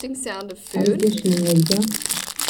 ari ryo shimwe rya